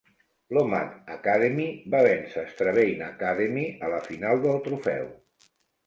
L'Omagh Academy va vèncer Strabane Academy a la final del Trofeu.